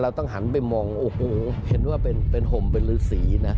เราต้องหันไปมองโอ้โหที่เป็นห่มเป็นฤษรีนะ